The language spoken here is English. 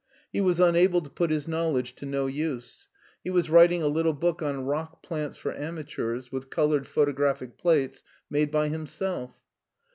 He was unable to put his knowledge to no use ; he was writing a little book on rock plants for amateurs, with colored photographic plates made by himself.